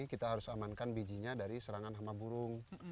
kita harus amankan bijinya dari serangan hama burung